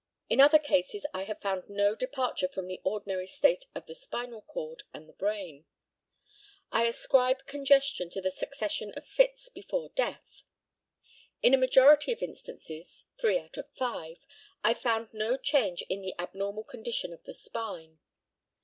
In other cases I have found no departure from the ordinary state of the spinal cord and the brain. I ascribe congestion to the succession of fits before death. In a majority of instances, three out of five, I found no change in the abnormal condition of the spine.